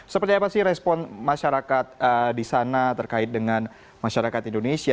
seperti apa sih respon masyarakat di sana terkait dengan masyarakat indonesia